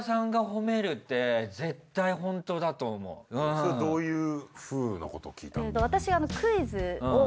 それどういうふうのことを聞いたの？